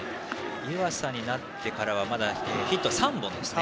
湯浅になってからはまだヒット３本。